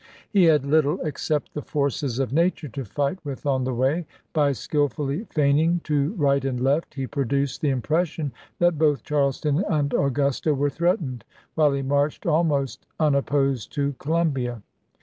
He had little except the forces of nature to fight with on the way. By skillfully feigning to right and left he produced the impression that both Charleston and Augusta were threatened, while he marched almost unopposed to Columbia.